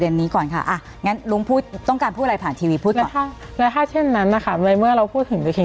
เวียบพูดอย่างนี้ได้ใช่ไหมคะ